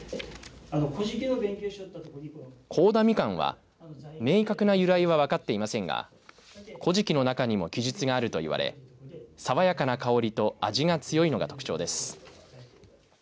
高田みかんは明確な由来は分かっていませんが古事記の中にも記述があるといわれ爽やかな香りと味が強いのが特徴です。